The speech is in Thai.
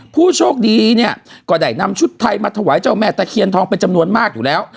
ผู้โชคดีเนี่ยก็ได้นำชุดไทยมาถวายเจ้าแม่ตะเคียนทองเป็นจำนวนมากอยู่แล้ว